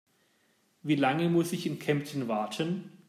Wie lange muss ich in Kempten warten?